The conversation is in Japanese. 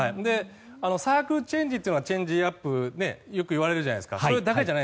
サークルチェンジというのはチェンジアップとよくいわれるじゃないですか。